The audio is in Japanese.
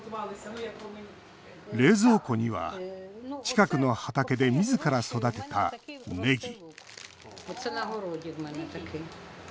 冷蔵庫には近くの畑でみずから育てた、ネギ。